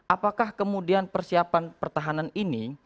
apakah kemudian persiapan pertahanan ini